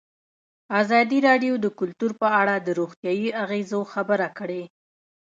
ازادي راډیو د کلتور په اړه د روغتیایي اغېزو خبره کړې.